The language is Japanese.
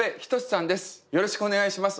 よろしくお願いします。